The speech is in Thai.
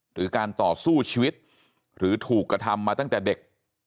หรือการต่อสู้ชีวิตหรือถูกกระทำมาตั้งแต่เด็ก